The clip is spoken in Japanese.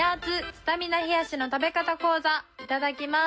スタミナ冷やしの食べ方講座」「いただきまーす！」